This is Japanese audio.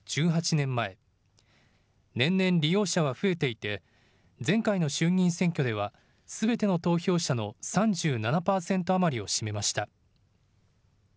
年々、利用者は増えていて前回の衆議院選挙ではすべての投票者の３７％余りを占めました。